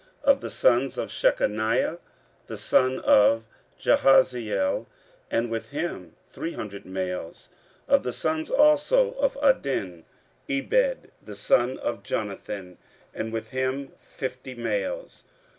15:008:005 Of the sons of Shechaniah; the son of Jahaziel, and with him three hundred males. 15:008:006 Of the sons also of Adin; Ebed the son of Jonathan, and with him fifty males.